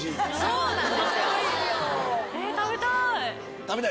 食べたい！